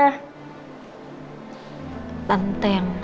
tante yang harusnya minta maaf